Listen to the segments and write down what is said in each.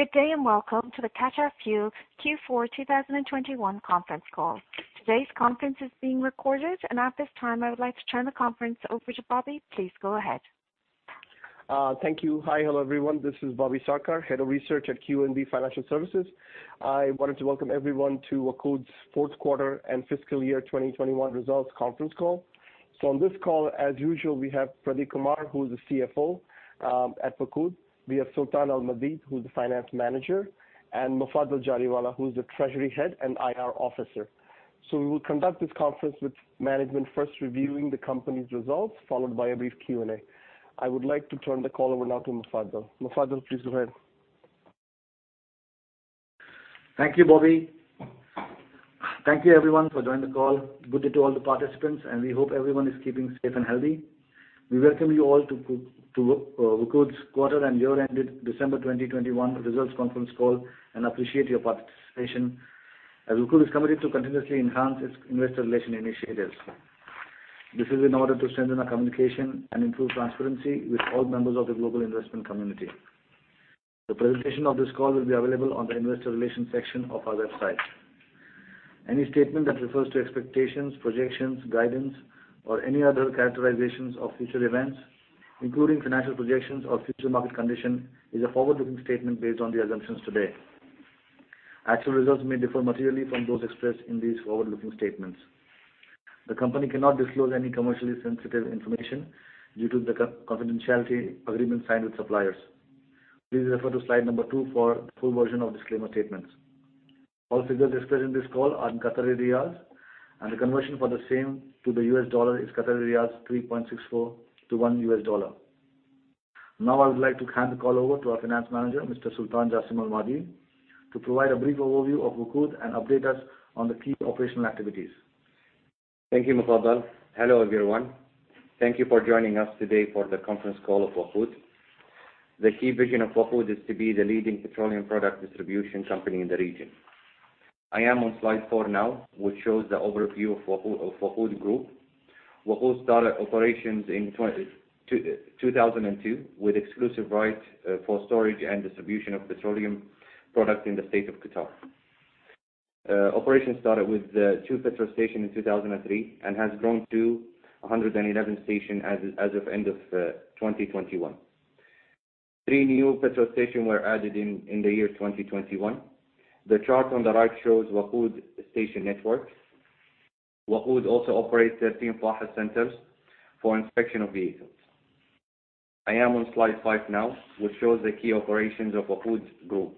Good day, and welcome to the Qatar Fuel Q4 2021 conference call. Today's conference is being recorded, and at this time, I would like to turn the conference over to Bobby. Please go ahead. Thank you. Hi. Hello, everyone. This is Bobby Sarkar, Head of Research at QNB Financial Services. I wanted to welcome everyone to WOQOD's fourth quarter and fiscal year 2021 results conference call. On this call, as usual, we have Pradeep Kumar, who is the CFO at WOQOD. We have Sultan Jassim Al-Maadeed, who's the Finance Manager, and Mufaddal Jariwala, who's the Treasury Head and IR Officer. We will conduct this conference with management first reviewing the company's results, followed by a brief Q&A. I would like to turn the call over now to Mufaddal. Mufaddal, please go ahead. Thank you, Bobby. Thank you, everyone, for joining the call. Good day to all the participants, and we hope everyone is keeping safe and healthy. We welcome you all to WOQOD's quarter and year ended December 2021 results conference call and appreciate your participation, as WOQOD is committed to continuously enhance its investor relation initiatives. This is in order to strengthen our communication and improve transparency with all members of the global investment community. The presentation of this call will be available on the investor relation section of our website. Any statement that refers to expectations, projections, guidance, or any other characterizations of future events, including financial projections or future market condition, is a forward-looking statement based on the assumptions today. Actual results may differ materially from those expressed in these forward-looking statements. The company cannot disclose any commercially sensitive information due to the confidentiality agreement signed with suppliers. Please refer to slide number two for full version of disclaimer statements. All figures displayed in this call are in QAR, and the conversion for the same to the US dollar is 3.64 to one US dollar. Now I would like to hand the call over to our Finance Manager, Mr. Sultan Jassim Al-Maadeed, to provide a brief overview of WOQOD and update us on the key operational activities. Thank you, Mufaddal. Hello, everyone. Thank you for joining us today for the conference call of WOQOD. The key vision of WOQOD is to be the leading petroleum product distribution company in the region. I am on slide four now, which shows the overview of WOQOD Group. WOQOD started operations in 2002 with exclusive rights for storage and distribution of petroleum products in the State of Qatar. Operations started with two petrol stations in 2003 and has grown to 111 stations as of end of 2021. Three new petrol stations were added in the year 2021. The chart on the right shows WOQOD station networks. WOQOD also operates 13 Fahes centers for inspection of vehicles. I am on slide five now, which shows the key operations of WOQOD Group.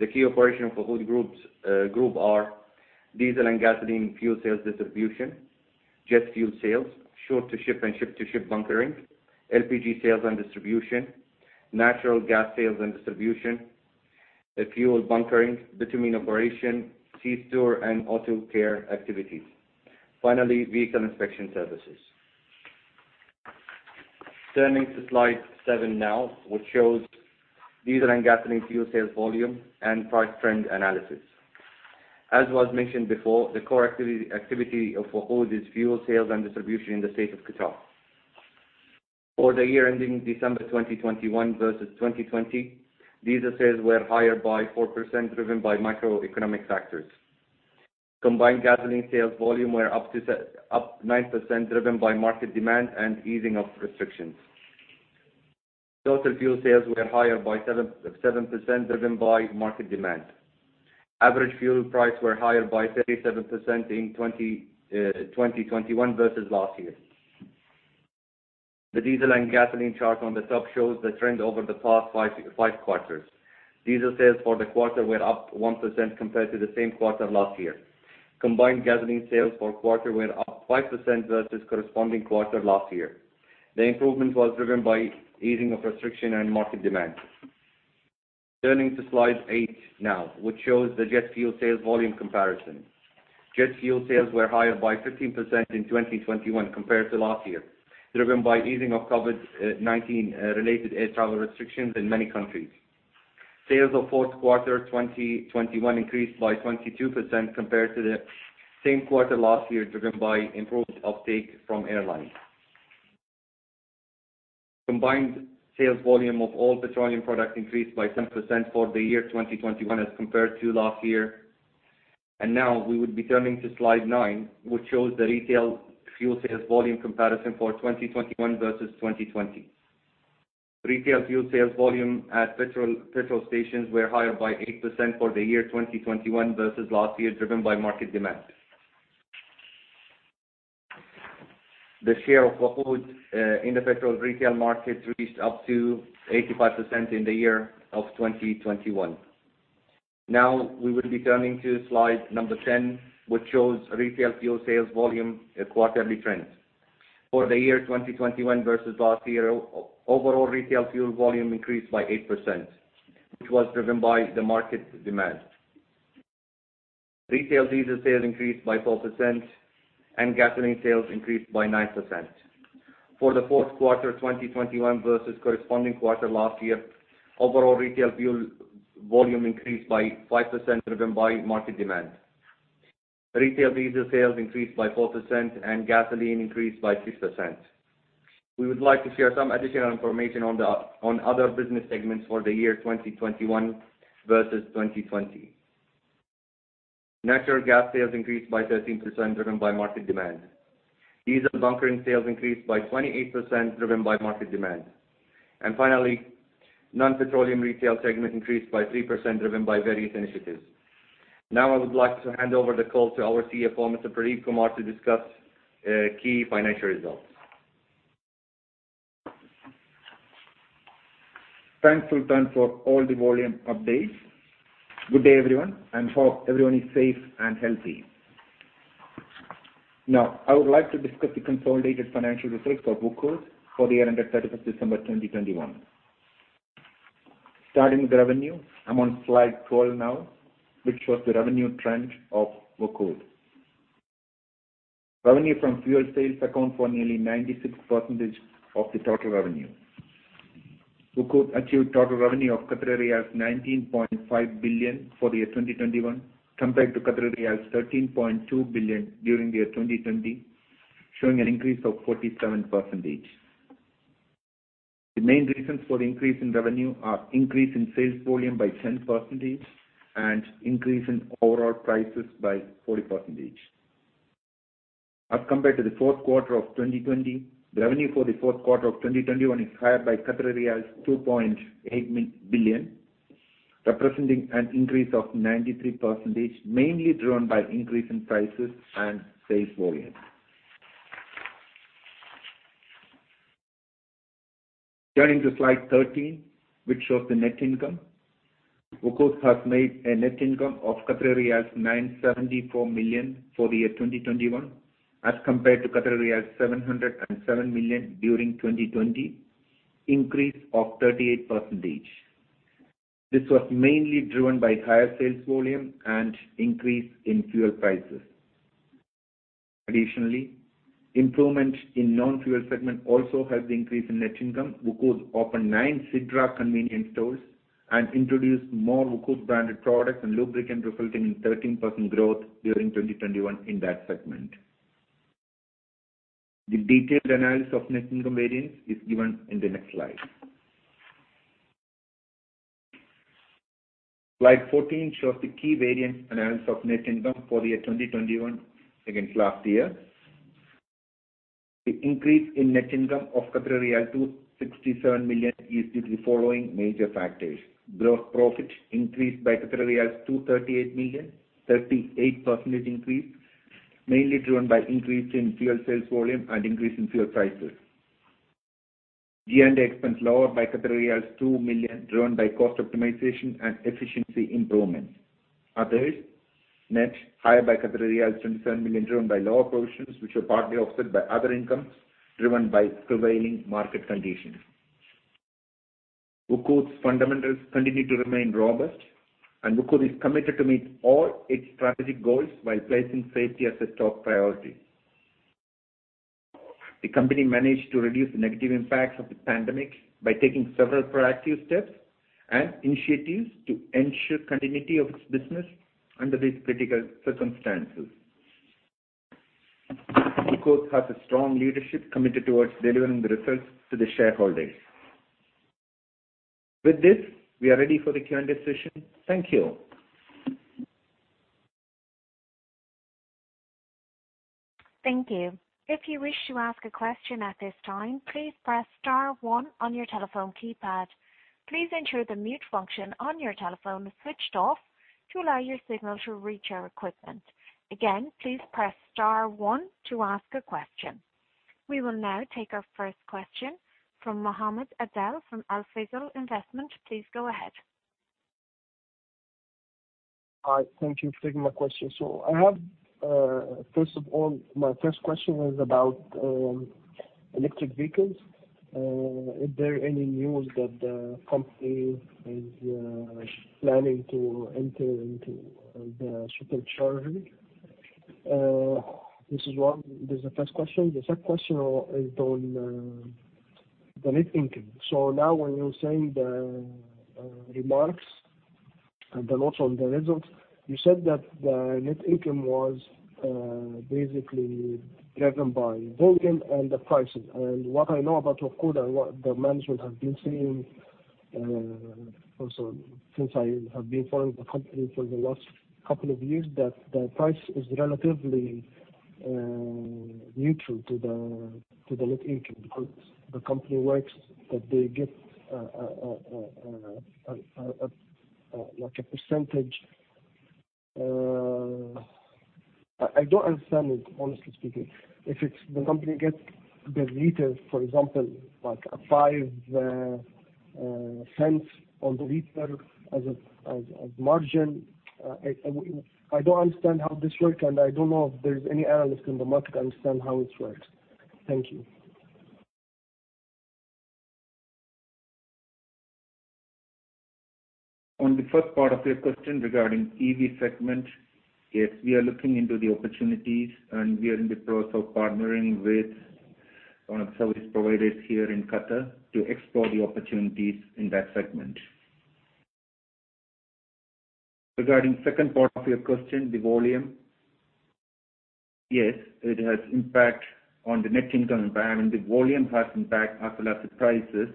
The key operation of WOQOD Group are diesel and gasoline fuel sales distribution, jet fuel sales, shore-to-ship and ship-to-ship bunkering, LPG sales and distribution, natural gas sales and distribution, a fuel bunkering, bitumen operation, C-store and auto care activities. Finally, vehicle inspection services. Turning to slide seven now, which shows diesel and gasoline fuel sales volume and price trend analysis. As was mentioned before, the core activity of WOQOD is fuel sales and distribution in the state of Qatar. For the year ending December 2021 versus 2020, diesel sales were higher by 4% driven by macroeconomic factors. Combined gasoline sales volume were up 9% driven by market demand and easing of restrictions. Diesel fuel sales were higher by 7% driven by market demand. Average fuel price were higher by 37% in 2021 versus last year. The diesel and gasoline chart on the top shows the trend over the past five quarters. Diesel sales for the quarter were up 1% compared to the same quarter last year. Combined gasoline sales for quarter were up 5% versus corresponding quarter last year. The improvement was driven by easing of restriction and market demand. Turning to slide eight now, which shows the jet fuel sales volume comparison. Jet fuel sales were higher by 15% in 2021 compared to last year, driven by easing of COVID-19 related air travel restrictions in many countries. Sales of fourth quarter 2021 increased by 22% compared to the same quarter last year, driven by improved uptake from airlines. Combined sales volume of all petroleum products increased by 10% for the year 2021 as compared to last year. Now we would be turning to slide nine, which shows the retail fuel sales volume comparison for 2021 versus 2020. Retail fuel sales volume at petrol stations were higher by 8% for the year 2021 versus last year, driven by market demand. The share of WOQOD in the petrol retail market reached up to 85% in the year of 2021. Now we will be turning to slide number ten, which shows retail fuel sales volume quarterly trends. For the year 2021 versus last year, overall retail fuel volume increased by 8%, which was driven by the market demand. Retail diesel sales increased by 12%, and gasoline sales increased by 9%. For the fourth quarter 2021 versus corresponding quarter last year, overall retail fuel volume increased by 5% driven by market demand. Retail diesel sales increased by 4% and gasoline increased by 6%. We would like to share some additional information on other business segments for the year 2021 versus 2020. Natural gas sales increased by 13% driven by market demand. Diesel bunkering sales increased by 28% driven by market demand. Finally, non-petroleum retail segment increased by 3% driven by various initiatives. Now I would like to hand over the call to our CFO, Mr. Pradeep Kumar, to discuss key financial results. Thanks, Sultan, for all the volume updates. Good day, everyone, and hope everyone is safe and healthy. Now, I would like to discuss the consolidated financial results for WOQOD for the year ended 31st December 2021. Starting with revenue. I'm on slide 12 now, which shows the revenue trend of WOQOD. Revenue from fuel sales account for nearly 96% of the total revenue. WOQOD achieved total revenue of 19.5 billion for the year 2021, compared to 13.2 billion during the year 2020, showing an increase of 47%. The main reasons for the increase in revenue are increase in sales volume by 10% and increase in overall prices by 40%. As compared to the fourth quarter of 2020, the revenue for the fourth quarter of 2021 is higher by 2.8 billion, representing an increase of 93%, mainly driven by increase in prices and sales volume. Turning to slide 13, which shows the net income. WOQOD has made a net income of 974 million for the year 2021, as compared to 707 million during 2020, increase of 38%. This was mainly driven by higher sales volume and increase in fuel prices. Additionally, improvement in non-fuel segment also helped the increase in net income. WOQOD opened nine Sidra convenience stores and introduced more WOQOD branded products and lubricants, resulting in 13% growth during 2021 in that segment. The detailed analysis of net income variance is given in the next slide. Slide 14 shows the key variance analysis of net income for the year 2021 against last year. The increase in net income of 267 million is due to the following major factors. Gross profit increased by 238 million, 38% increase, mainly driven by increase in fuel sales volume and increase in fuel prices. G&A expense lowered by 2 million, driven by cost optimization and efficiency improvement. Others, net higher by 27 million, driven by lower provisions, which were partly offset by other incomes driven by prevailing market conditions. WOQOD's fundamentals continue to remain robust, and WOQOD is committed to meet all its strategic goals while placing safety as a top priority. The company managed to reduce the negative impacts of the pandemic by taking several proactive steps and initiatives to ensure continuity of its business under these critical circumstances. WOQOD has a strong leadership committed towards delivering the results to the shareholders. With this, we are ready for the Q&A session. Thank you. Thank you. If you wish to ask a question at this time, please press star one on your telephone keypad. Please ensure the mute function on your telephone is switched off to allow your signal to reach our equipment. Again, please press star one to ask a question. We will now take our first question from Mohammed Adel from Al Fajer Investment. Please go ahead. Hi. Thank you for taking my question. I have, first of all, my first question was about electric vehicles. Is there any news that the company is planning to enter into the supercharging? This is the first question. The second question is on the net income. Now when you're saying the remarks and the notes on the results, you said that the net income was basically driven by volume and the prices. What I know about WOQOD and what the management have been saying, also since I have been following the company for the last couple of years, that the price is relatively neutral to the net income because the company works that they get a like a percentage. I don't understand it, honestly speaking. If it's the company gets the liter, for example, like $0.05 on the liter as a margin. I don't understand how this works, and I don't know if there's any analyst in the market understands how it works. Thank you. On the first part of your question regarding EV segment, yes, we are looking into the opportunities, and we are in the process of partnering with one of the service providers here in Qatar to explore the opportunities in that segment. Regarding second part of your question, the volume. Yes, it has impact on the net income. I mean, the volume has impact as well as the prices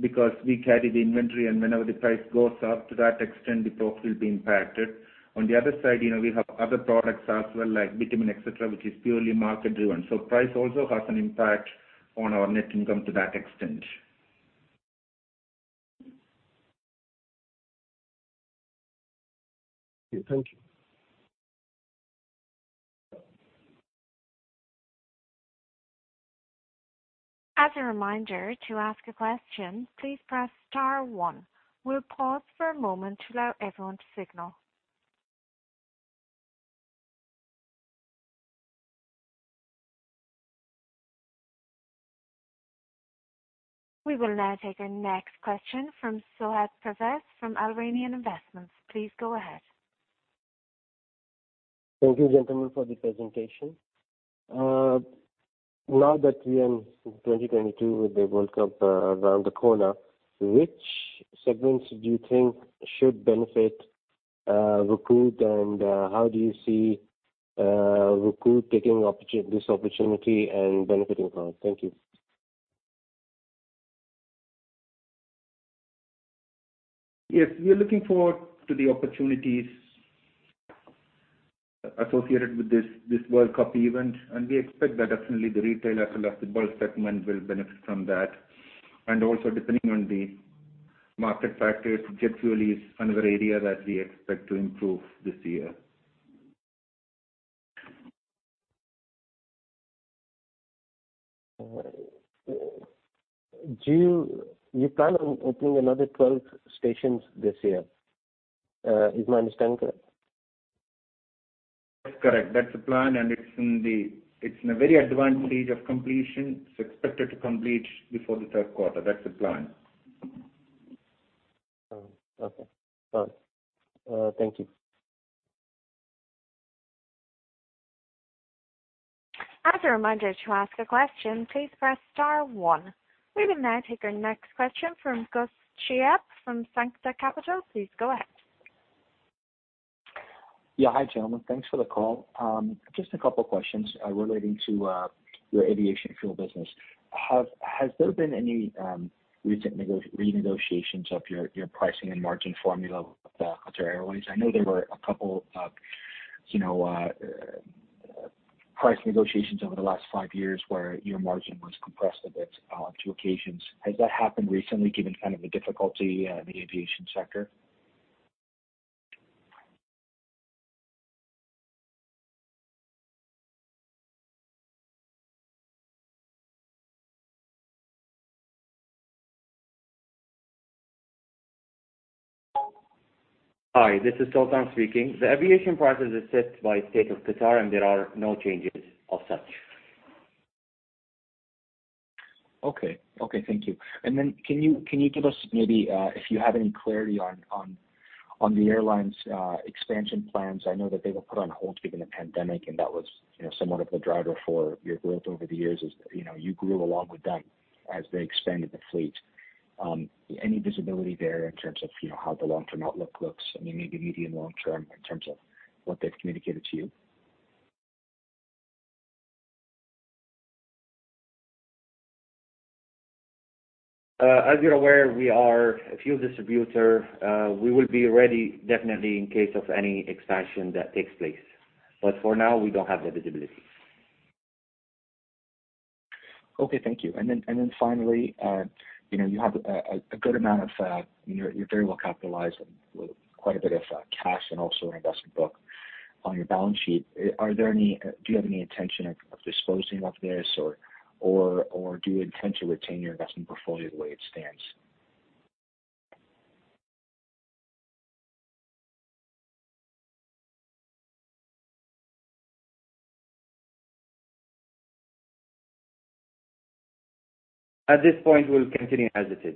because we carry the inventory, and whenever the price goes up to that extent, the stock will be impacted. On the other side, you know, we have other products as well, like bitumen, etcetera, which is purely market-driven. Price also has an impact on our net income to that extent. Thank you. As a reminder, to ask a question, please press star one. We'll pause for a moment to allow everyone to signal. We will now take our next question from Zohaib Pervez from Al Rayan Investment. Please go ahead. Thank you, gentlemen, for the presentation. Now that we are in 2022 with the World Cup around the corner, which segments do you think should benefit, Rukn? How do you see Rukn taking this opportunity and benefiting from it? Thank you. Yes, we are looking forward to the opportunities associated with this World Cup event, and we expect that definitely the retail as well as the bulk segment will benefit from that. Also, depending on the market factor, jet fuel is another area that we expect to improve this year. All right. Do you plan on opening another 12 stations this year? Is my understanding correct? That's correct. That's the plan, and it's in a very advanced stage of completion. It's expected to complete before the third quarter. That's the plan. Oh, okay. Well, thank you. As a reminder, to ask a question, please press star one. We will now take our next question from Gus Chehayeb from Sanctum Capital. Please go ahead. Yeah. Hi, gentlemen. Thanks for the call. Just a couple questions relating to your aviation fuel business. Has there been any recent renegotiations of your pricing and margin formula with Qatar Airways? I know there were a couple of, you know, price negotiations over the last five years where your margin was compressed a bit on two occasions. Has that happened recently given kind of the difficulty in the aviation sector? Hi, this is Sultan speaking. The aviation prices are set by State of Qatar, and there are no changes of such. Okay, thank you. Can you give us maybe, if you have any clarity on the airline's expansion plans? I know that they were put on hold given the pandemic, and that was, you know, somewhat of a driver for your growth over the years as, you know, you grew along with them as they expanded the fleet. Any visibility there in terms of, you know, how the long-term outlook looks? I mean, maybe medium, long-term in terms of what they've communicated to you. As you're aware, we are a fuel distributor. We will be ready definitely in case of any expansion that takes place. For now, we don't have the visibility. Okay. Thank you. Finally, you know, you're very well capitalized with quite a bit of cash and also investment book on your balance sheet. Do you have any intention of disposing of this or do you intend to retain your investment portfolio the way it stands? At this point, we'll continue as it is.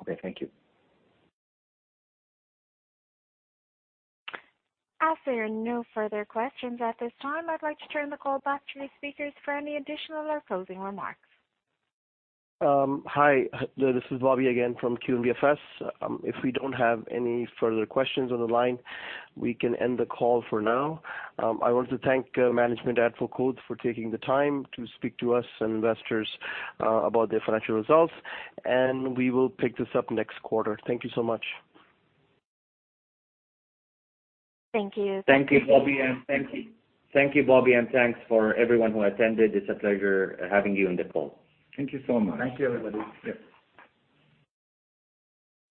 Okay. Thank you. As there are no further questions at this time, I'd like to turn the call back to the speakers for any additional or closing remarks. Hi, this is Bobby again from QNBFS. If we don't have any further questions on the line, we can end the call for now. I want to thank management at WOQOD for taking the time to speak to us and investors about their financial results, and we will pick this up next quarter. Thank you so much. Thank you. Thank you, Bobby, and thanks for everyone who attended. It's a pleasure having you on the call. Thank you so much. Thank you, everybody. Yep.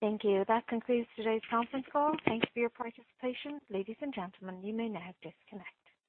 Thank you. That concludes today's conference call. Thank you for your participation. Ladies and gentlemen, you may now disconnect.